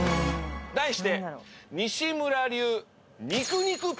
題して。